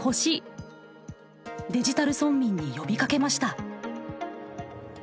デジタル村民に呼びかけました。